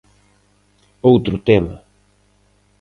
Outro tema.